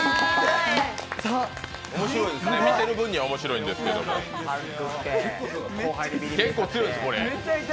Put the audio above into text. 見ている分には面白いんですけど結構強いです、これ。